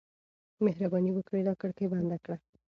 مهرباني وکړه دا کړکۍ بنده کړه.